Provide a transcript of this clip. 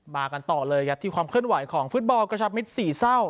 กันต่อเลยครับที่ความเคลื่อนไหวของฟุตบอลกระชับมิตรสี่เศร้า